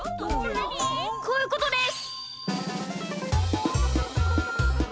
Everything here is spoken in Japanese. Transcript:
こういうことです！